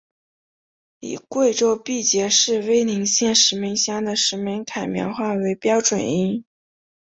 以贵州毕节市威宁县石门乡的石门坎苗话为标准音。